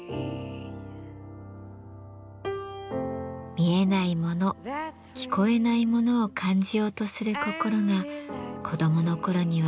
見えないもの聞こえないものを感じようとする心が子どもの頃にはあったはず。